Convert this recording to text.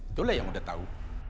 itulah yang mudah tahu